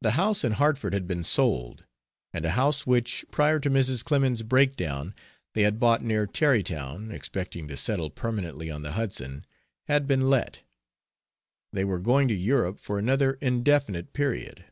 The house in Hartford had been sold; and a house which, prior to Mrs. Clemens's breakdown they had bought near Tarrytown (expecting to settle permanently on the Hudson) had been let. They were going to Europe for another indefinite period.